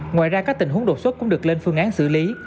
ngoài ra các tình huống đột xuất cũng được lên phương án xử lý